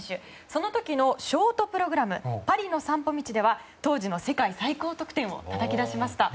その時のショートプログラム「パリの散歩道」では当時の世界最高得点をたたき出しました。